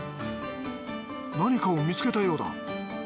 何かを見つけたようだ。